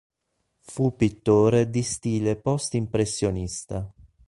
Fu pittore di stile post-impressionista.